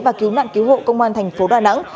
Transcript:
và cứu nạn cứu hộ công an tp đà nẵng